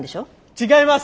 違います